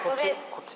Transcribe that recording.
こっち。